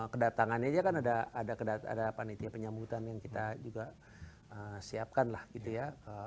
kedatangannya aja kan ada panitia penyambutan yang kita juga siapkan lah gitu ya